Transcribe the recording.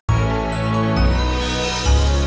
kas addressed rupanya